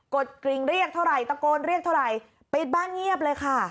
ดกริ่งเรียกเท่าไหร่ตะโกนเรียกเท่าไหร่ปิดบ้านเงียบเลยค่ะ